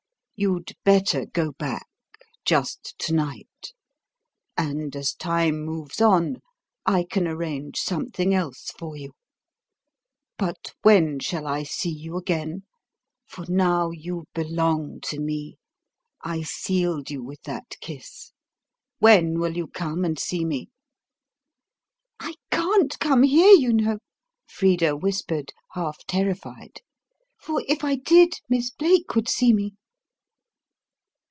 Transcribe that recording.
You'd better go back, just to night: and, as time moves on, I can arrange something else for you. But when shall I see you again? for now you belong to me. I sealed you with that kiss. When will you come and see me?" "I can't come here, you know," Frida whispered, half terrified; "for if I did, Miss Blake would see me."